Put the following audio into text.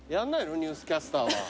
ニュースキャスターは。